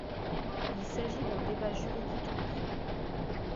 Il s’agit d’un débat juridique de fond.